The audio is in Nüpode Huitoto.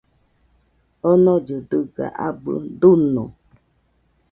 Onollɨ dɨga abɨ duño